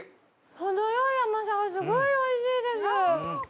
程よい甘さがすごいおいしいです。